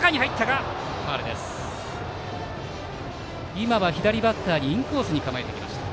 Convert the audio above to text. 今は左バッターにインコースに構えてきました。